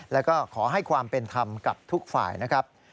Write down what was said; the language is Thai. แล้วก็ขอให้ความเป็นธรรมกับทุกฝ่ายนะครับ